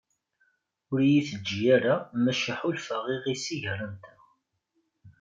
Ur iyi-teǧǧi ara maca ḥulfaɣ i yiɣisi gar-anteɣ.